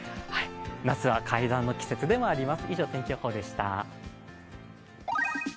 夏は怪談の季節でもあります。